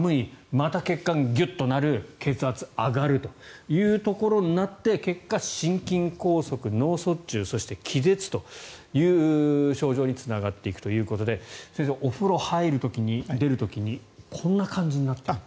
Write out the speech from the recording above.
また血管、ギュッとなる血圧上がるというところになって結果、心筋梗塞、脳卒中そして、気絶という症状につながっていくということで先生、お風呂に入る時出る時にこんな感じになっているという。